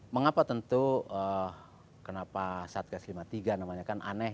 mengapa tentu kenapa satgas lima puluh tiga namanya kan aneh